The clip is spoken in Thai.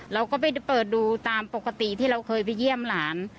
เราก็ไปเปิดดูตามปกติที่เราเคยไปเยี่ยมหลาน